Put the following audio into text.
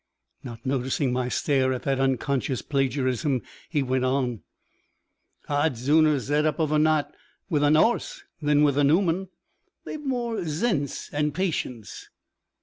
Not noticing my stare at that unconscious plagiarism, he went on,' Ah'd zooner zet up of a naight with an 'orse than with an 'uman they've more zense, and patience.'